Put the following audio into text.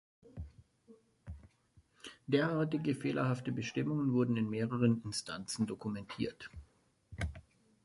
Derartige fehlerhafte Bestimmungen wurden in mehreren Instanzen dokumentiert.